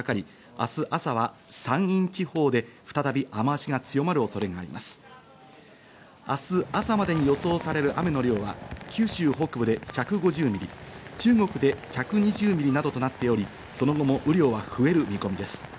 明日朝までに予想される雨の量は九州北部で１５０ミリ、中国で１２０ミリなどとなっており、その後も雨量は増える見込みです。